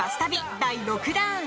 第６弾。